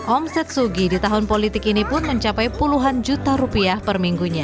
omset sugi di tahun politik ini pun mencapai puluhan juta rupiah per minggunya